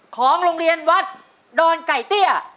ของโรงเรียนวัดดอนไก่เตี้ย